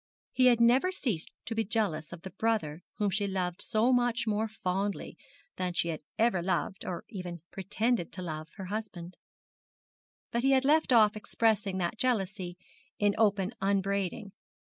He had never ceased to be jealous of the brother whom she loved so much more fondly than she had ever loved, or even pretended to love, her husband; but he had left off expressing that jealousy in open unbraiding.